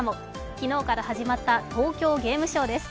昨日から始まった東京ゲームショウです。